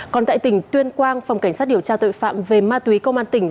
còn tại tỉnh tuyên quang phòng cảnh sát điều tra tội phạm về ma túy công an tỉnh